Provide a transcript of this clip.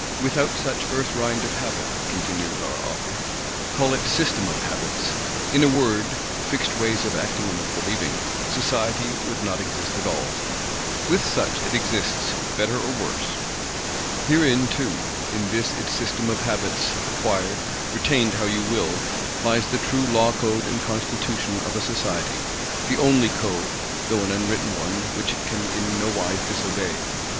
"Without such Earth rind of Habit," continues our author, "call it System of Habits, in a word, fixed ways of acting and of believing,—Society would not exist at all. With such it exists, better or worse. Herein too, in this its System of Habits, acquired, retained how you will, lies the true Law Code and Constitution of a Society; the only Code, though an unwritten one which it can in nowise _dis_obey.